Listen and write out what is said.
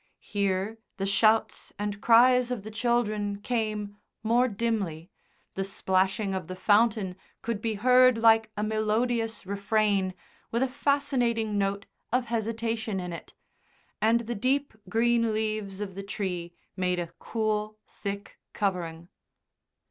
Here the shouts and cries of the children came more dimly, the splashing of the fountain could be heard like a melodious refrain with a fascinating note of hesitation in it, and the deep green leaves of the tree made a cool, thick covering.